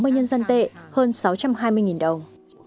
một trăm tám mươi nhân dân tệ hơn sáu trăm hai mươi đồng